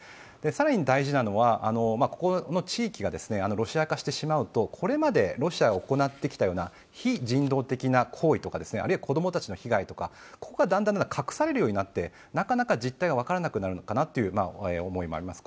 更に大事なのは、この地域がロシア化してしまうとこれまでロシアが行ってきたような非人道的な行為とか、あるいは子供たちの被害とかが隠されるようになってなかなか実態が分からなくなるのかなという思いもあります。